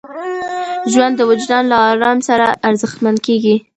ژوند د وجدان له ارام سره ارزښتمن کېږي.